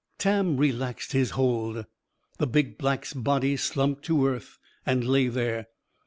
Tam relaxed his hold. The big black body slumped to earth and lay there.